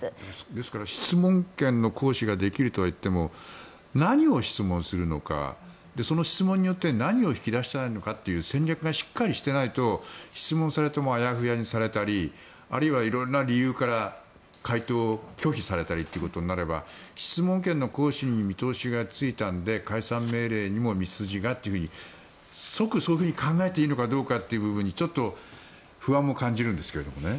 ですから質問権の行使ができるとはいっても何を質問するのかその質問によって何を引き出したいのかという戦略がしっかりしていないと質問されてもあやふやにされたりあるいは、いろんな理由から回答を拒否されたりということになれば質問権の行使に見通しがついたので解散命令にも道筋がというふうに即そういうふうに考えていいのかどうかという部分に不安も感じるんですが。